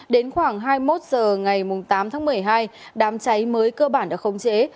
đến khoảng hai mươi một h ngày tám tháng một mươi hai đám cháy mới cơ bản đã khống chế